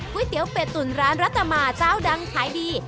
เตี๋ยวเป็ดตุ๋นร้านรัตมาเจ้าดังขายดี